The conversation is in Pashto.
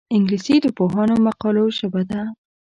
انګلیسي د پوهانو مقالو ژبه ده